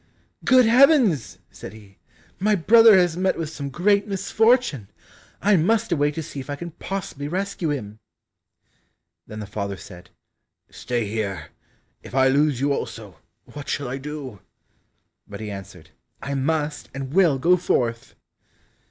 "Good heavens!" said he, "my brother has met with some great misfortune! I must away to see if I can possibly rescue him." Then the father said, "Stay here, if I lose you also, what shall I do?" But he answered, "I must and will go forth!"